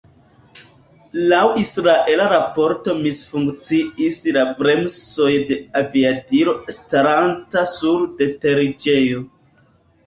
Laŭ israela raporto misfunkciis la bremsoj de aviadilo staranta sur deteriĝejo.